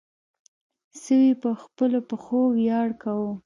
سوی په خپلو پښو ویاړ کاوه.